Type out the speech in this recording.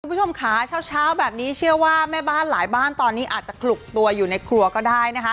คุณผู้ชมค่ะเช้าแบบนี้เชื่อว่าแม่บ้านหลายบ้านตอนนี้อาจจะขลุกตัวอยู่ในครัวก็ได้นะคะ